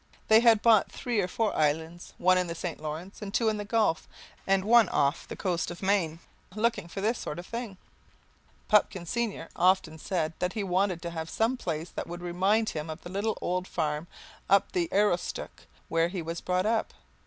They had bought three or four islands one in the St. Lawrence, and two in the Gulf, and one off the coast of Maine looking for this sort of thing. Pupkin senior often said that he wanted to have some place that would remind him of the little old farm up the Aroostook where he was brought up.